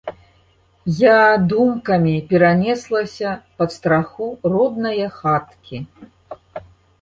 Я думкамі перанеслася пад страху роднае хаткі.